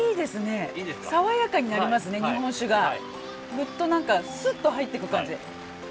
あっ何かすっと入っていく感じ。